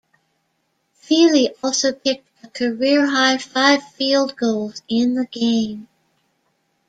Feely also kicked a career-high five field goals in the game.